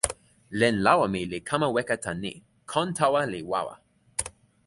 len lawa mi li kama weka tan ni: kon tawa li wawa.